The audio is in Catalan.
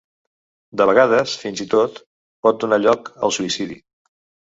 De vegades, fins i tot, pot donar lloc al suïcidi.